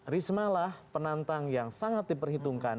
risma lah penantang yang sangat diperhitungkan